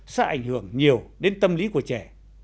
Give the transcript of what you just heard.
sẽ ảnh hưởng nhiều đến tâm lý của trẻ